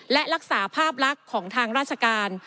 และรักษาภาพลักษณ์ของทางราชการ